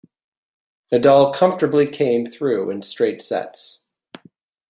Nadal comfortably came through in straight sets.